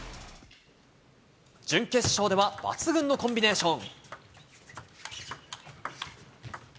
準決勝では、抜群のコンビネーション。